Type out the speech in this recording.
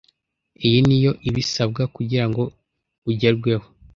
iyo niyo ibisabwa kugirango ugerweho.